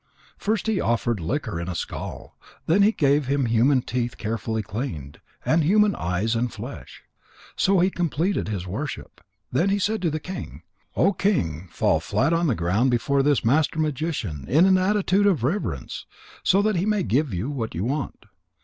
First he offered liquor in a skull, then he gave him human teeth carefully cleaned, and human eyes and flesh. So he completed his worship, then he said to the king: "O King, fall flat on the ground before this master magician in an attitude of reverence, so that he may give you what you want."